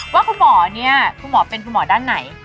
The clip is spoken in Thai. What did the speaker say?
ว่าคุณหมอเนี่ยคุณหมอเป็นคุณหมอด้านไหน